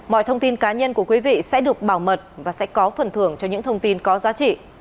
mọi thông tin cá nhân của quý vị sẽ được bảo mật và sẽ có phần thưởng cho những thông tin có giá trị